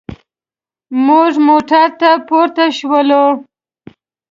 موږ موټر ته پورته شولو.